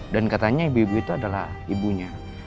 dan katanya ibu ibu itu adalah ibunya